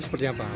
itu seperti apa